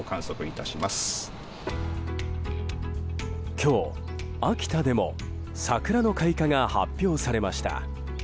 今日、秋田でも桜の開花が発表されました。